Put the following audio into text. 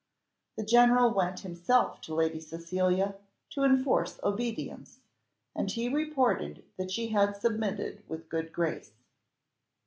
The general went himself to Lady Cecilia to enforce obedience, and he reported that she had submitted with a good grace.